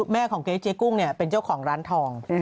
แม่ของเก๊เจ๊กุ้งเป็นเจ้าของร้านทอง